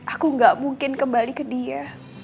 aku gak mungkin kembali ke dia